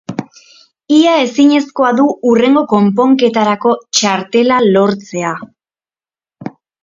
Ia ezinezkoa du hurrengo kanporaketarako txartela lortzea.